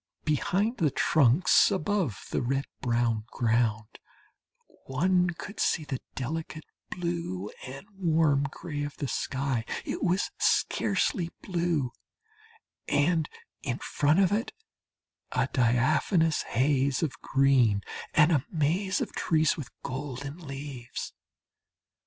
Behind the trunks, above the red brown ground one could see the delicate blue and warm gray of the sky it was scarcely blue and in front of it a diaphanous haze of green, and a maze of trees with golden leaves.